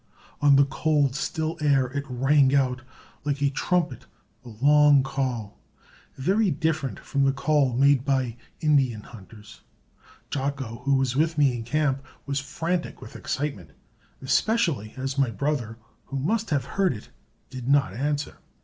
On the cold, still air it rang out like a trumpet a long call, very different from the call made by Indian hunters. Jocko, who was with me in camp, was frantic with excitement, especially as my brother, who must have heard it, did not answer.